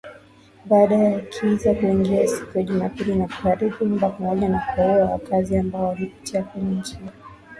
Baada ya kiza kuingia siku ya Jumapili na kuharibu nyumba pamoja na kuwaua wakaazi ambao walipita kwenye njia yao na kuchoma magari sita.